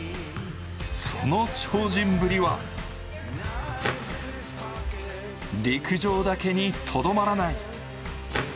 その超人ぶりは陸上だけにとどまらない。